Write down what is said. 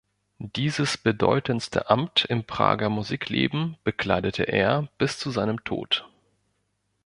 Dieses bedeutendste Amt im Prager Musikleben bekleidete er bis zu seinem Tod.